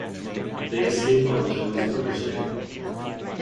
They escape on John's motorcycle.